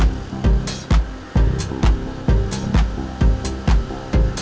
ikut saluran ya rom deh